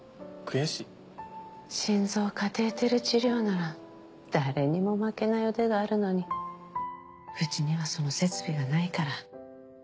心臓カテーテル治療なら誰にも負けない腕があるのにうちにはその設備がないから。